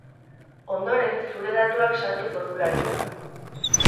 Ondoren, zure datuak sartu formularioan.